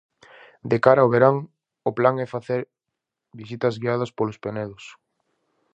De cara ao verán, o plan é facer visitas guiadas polos penedos.